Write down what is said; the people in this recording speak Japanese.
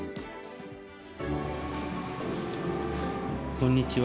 こんにちは。